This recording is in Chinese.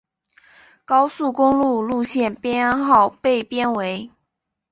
高速公路路线编号被编为。